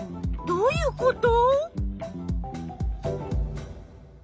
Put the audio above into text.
どういうこと？